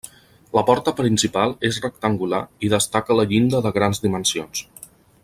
La porta principal és rectangular i destaca la llinda de grans dimensions.